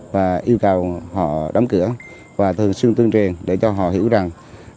và yêu cầu họ đóng cửa và thường xuyên tuyên truyền để cho họ hiểu rằng